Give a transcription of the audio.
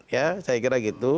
ya saya kira gitu